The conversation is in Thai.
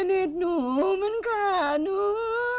มันเห็นหนูมันกล้าหนู